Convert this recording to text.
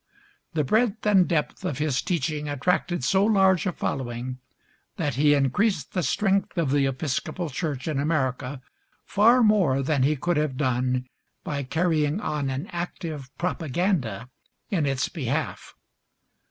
The breadth and depth of his teaching attracted so large a following that he increased the strength of the Episcopal Church in America far more than he could have done by carrying on an active propaganda in its behalf.